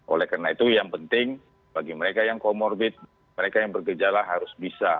oleh karena itu yang penting bagi mereka yang comorbid mereka yang bergejala harus bisa